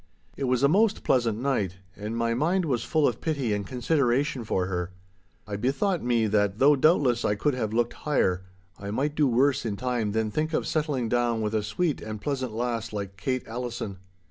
It was a most pleasant night, and my mind was full of pity and consideration for her. I bethought me that, though doubtless I could have looked higher, I might do worse in time than think of settling down with a sweet and pleasant lass like Kate Allison.